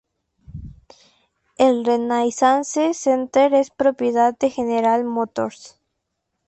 El Renaissance Center es propiedad de General Motors.